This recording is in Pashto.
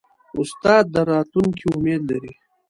استاد د راتلونکي امید لري.